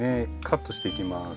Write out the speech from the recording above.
カットしていきます。